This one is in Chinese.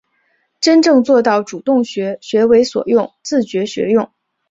真正做到主动学、学为所用、自觉学用